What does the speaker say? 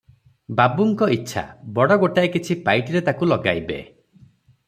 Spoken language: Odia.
ବାବୁଙ୍କ ଇଚ୍ଛା, ବଡ଼ ଗୋଟାଏ କିଛି ପାଇଟିରେ ତାକୁ ଲଗାଇବେ ।